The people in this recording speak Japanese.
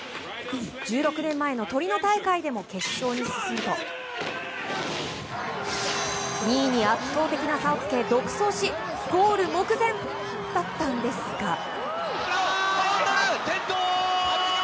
１６年前のトリノ大会でも決勝に進むと２位に圧倒的な差をつけ独走しゴール目前だったんですが。